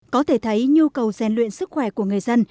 có thể thấy nhu cầu rèn luyện sức khỏe của người dân